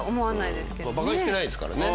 バカにしてないですからね。